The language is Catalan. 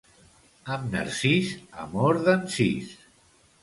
Amb narcís, amor d'encís.